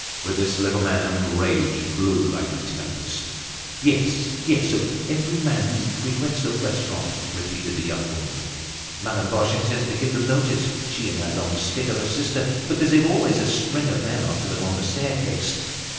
With this little man, rage blew like a tempest. "Yes, yes, of every man who frequents the restaurant!" repeated the young woman. "Madame Boche intends to give them notice, she and her long stick of a sister, because they've always a string of men after them on the staircase."